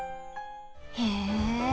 へえ。